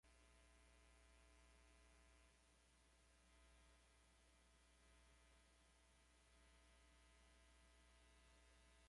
Inició un romance con uno de los cortesanos favoritos del rey, Thomas Culpeper.